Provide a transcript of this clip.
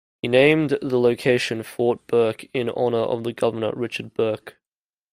He named the location Fort Bourke in honour of the Governor, Richard Bourke.